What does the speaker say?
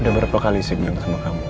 udah berapa kali sedih sama kamu